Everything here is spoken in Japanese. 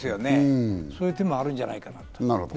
そういう手もあるんじゃないかと。